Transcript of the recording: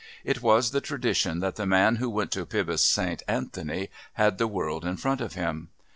It was the tradition that the man who went to Pybus St. Anthony had the world in front of him.